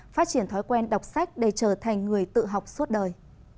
phát triển thói quen đọc sách để trở thành người tự học suốt đời